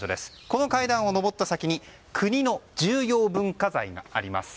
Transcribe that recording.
この階段を上った先に国の重要文化財があります。